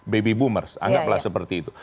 baby boomers anggaplah seperti itu